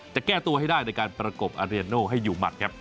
จะแก้ตัวให้ได้ในการประกบอาเรียนโน่ให้อยู่หมัดครับ